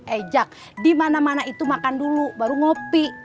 eh jak dimana mana itu makan dulu baru ngopi